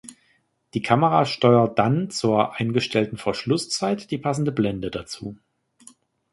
Die Kamera steuert dann zur eingestellten Verschlusszeit die passende Blende dazu.